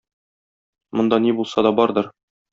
Монда ни булса да бардыр.